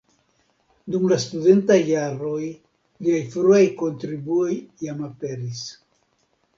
Dum la studentaj jaroj liaj fruaj kontribuoj jam aperis.